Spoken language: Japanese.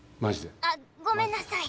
あっごめんなさい！